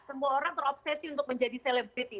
semua orang terobsesi untuk menjadi selebriti